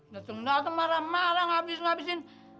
dateng dateng marah marah ngabisin ngabisin